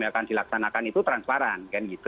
yang akan dilaksanakan itu transparan